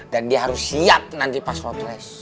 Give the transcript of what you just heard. dan dia harus siap nanti pas road race